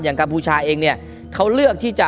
กัมพูชาเองเนี่ยเขาเลือกที่จะ